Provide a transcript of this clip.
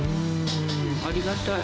ありがたい。